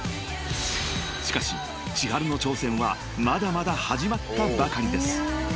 ［しかしｃｈｉｈａｒｕの挑戦はまだまだ始まったばかりです］